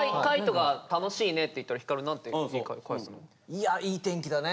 いや「いい天気だね」